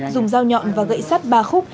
dùng dao nhọn và gậy sắt ba khúc